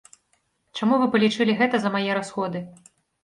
Чаму вы палічылі гэта за мае расходы?